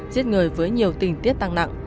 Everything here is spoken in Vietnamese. giết người với nhiều tình tiết tăng nặng